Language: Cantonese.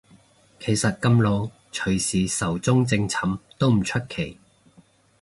其實咁老隨時壽終正寢都唔出奇